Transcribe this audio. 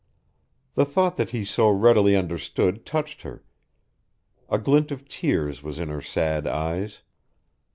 The thought that he so readily understood touched her; a glint of tears was in her sad eyes.